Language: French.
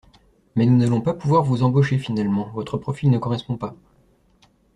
mais nous n’allons pas pouvoir vous embaucher finalement, votre profil ne correspond pas.